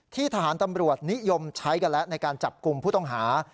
ทหารตำรวจนิยมใช้กันแล้วในการจับกลุ่มผู้ต้องหา